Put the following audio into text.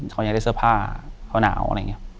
เขายังได้เสื้อผ้าเขาหนาวอะไรอย่างนี้